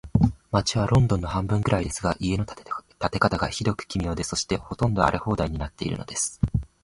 街はロンドンの半分くらいですが、家の建て方が、ひどく奇妙で、そして、ほとんど荒れ放題になっているのです。